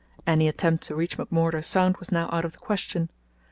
Any attempt to reach McMurdo Sound was now out of the question.